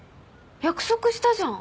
約束したじゃん。